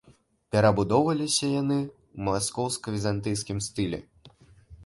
Перабудоўваліся яны ў маскоўска-візантыйскім стылі.